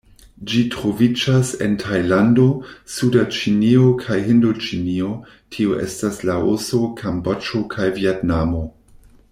Ĝi troviĝas en Tajlando, suda Ĉinio kaj Hindoĉinio, tio estas Laoso, Kamboĝo kaj Vjetnamo.